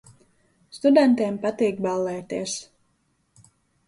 Studentiem patīk ballēties.